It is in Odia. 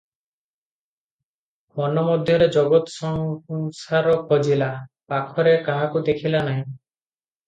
ମନ ମଧ୍ୟରେ ଜଗତ ସଂସାର ଖୋଜିଲା, ପାଖରେ କାହାକୁ ଦେଖିଲା ନାହିଁ ।